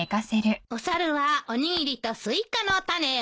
おサルはおにぎりとスイカの種を。